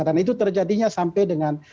dan itu terjadinya sampai dengan